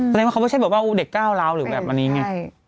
แสดงว่าเขาไม่ใช่แบบว่าเด็กก้าวร้าวหรือแบบอันนี้ไง